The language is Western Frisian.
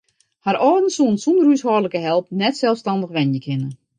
Har âlden soene sûnder húshâldlike help net selsstannich wenje kinne.